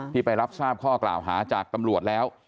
ไปรับทราบข้อกล่าวหาจากตำรวจแล้ว